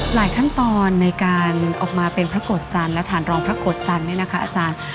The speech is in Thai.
ขั้นตอนในการออกมาเป็นพระโกรธจันทร์และฐานรองพระโกรธจันทร์เนี่ยนะคะอาจารย์